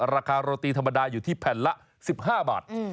ราคาโรตีธรรมดาอยู่ที่แผ่นละ๑๕บาท